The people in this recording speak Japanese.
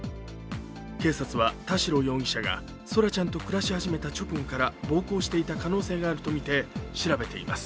警察は田代容疑者が空来ちゃんと暮らし始めた直後から暴行していた可能性があるとみて調べています。